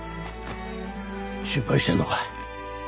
心配してるのか。